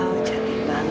wow cantik banget